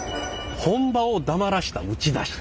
「本場をだまらした打ち出し」。